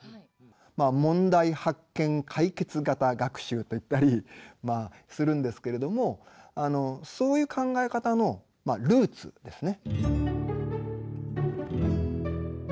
まあ問題発見・解決型学習と言ったりするんですけれどもそういう考え方のまあルーツですね。